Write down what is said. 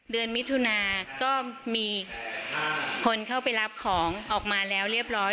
มิถุนาก็มีคนเข้าไปรับของออกมาแล้วเรียบร้อย